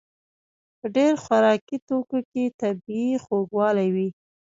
په ډېر خوراکي توکو کې طبیعي خوږوالی وي.